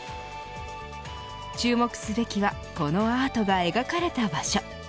注目すべきはこのアートが描かれた場所。